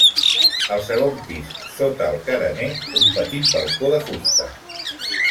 Al segon pis, sota el carener, un petit balcó de fusta.